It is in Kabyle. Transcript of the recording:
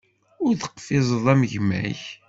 Ur teqfizeḍ am gma-k.